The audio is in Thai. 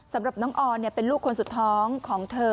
สำหรับน้องออนเป็นลูกคนสุดท้องของเธอ